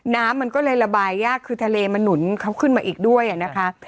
น้ำมันก็เลยระบายยากคือทะเลมันหนุนเขาขึ้นมาอีกด้วยนะคะ